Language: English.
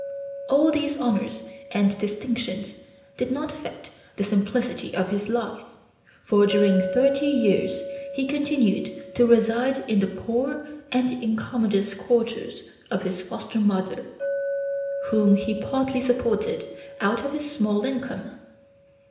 All these honors and distinctions did not affect the simplicity of his life, for during thirty years he continued to reside in the poor and incommodious quarters of his foster mother, whom he partly supported out of his small income.